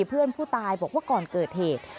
เพื่อนผู้ตายบอกว่าก่อนเกิดเหตุ